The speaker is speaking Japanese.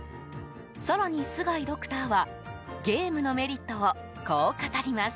更に、須貝ドクターはゲームのメリットをこう語ります。